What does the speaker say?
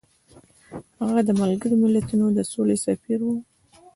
هغه د ملګرو ملتونو د سولې سفیر و.